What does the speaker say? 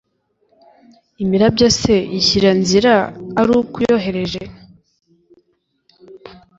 imirabyo se ishyira nzira ari uko uyohereje